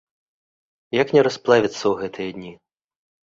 Як не расплавіцца ў гэтыя дні?